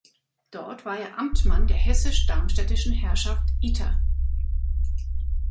Dort war er Amtmann der hessisch-darmstädtischen Herrschaft Itter.